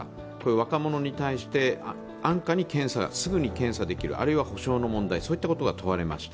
若者に対して安価に検査が、すぐに検査ができるあるいは補償の問題、そういったことが問われました。